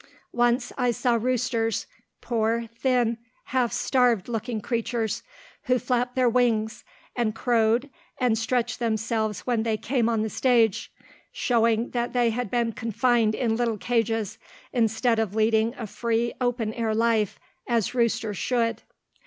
Once I saw roosters poor, thin, half starved looking creatures, who flapped their wings, and crowed, and stretched themselves when they came on the stage, showing that they had been confined in little cages, instead of leading a free, open air life as roosters should.